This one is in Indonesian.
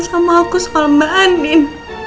keterangan sama aku soal mbak andin